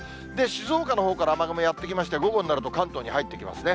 静岡のほうから雨雲やって来まして、午後になると関東に入ってきますね。